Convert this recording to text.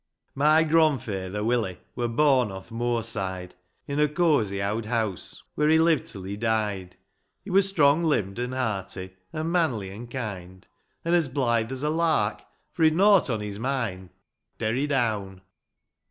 y gronfaither, Willie, VVur born o'th moorside, In a cosy owd house Where he lived till he died ; He wur strong limbed an' hearty, An' manly, an' kind ; An' as blithe as a lark, for He'd nought on his mind. Derry down.